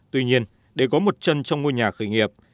tuy nhiên để có một chân trong ngôi nhà khởi nghiệp